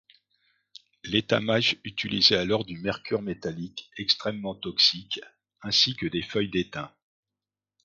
L'étamage utilisait alors du mercure métallique, extrêmement toxique, ainsi que des feuilles d'étain.